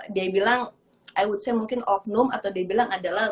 dia bilang i would say mungkin oknum atau dia bilang adalah